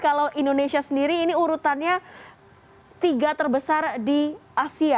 kalau indonesia sendiri ini urutannya tiga terbesar di asia